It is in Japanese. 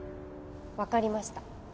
わかりました。